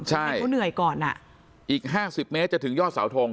ใช่เขาเหนื่อยก่อนอ่ะอีก๕๐เมตรจะถึงยอดเสาทง